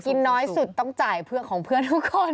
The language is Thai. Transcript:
ใครกินน้อยสุดต้องจ่ายของเพื่อนทุกคน